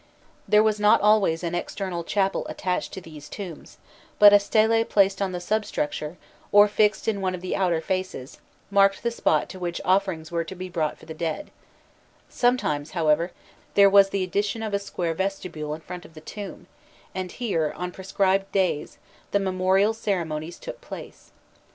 There was not always an external chapel attached to these tombs, but a stele placed on the substructure, or fixed in one of the outer faces, marked the spot to which offerings were to be brought for the dead; sometimes, however, there was the addition of a square vestibule in front of the tomb, and here, on prescribed days, the memorial ceremonies took place.